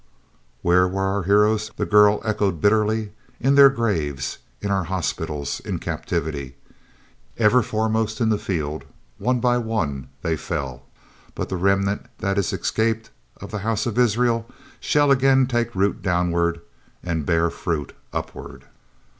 "Where were our heroes?" the girl echoed bitterly. "In their graves in our hospitals in captivity! Ever foremost in the field one by one they fell 'But the remnant that is escaped of the house of Israel shall again take root downward and bear fruit upward.'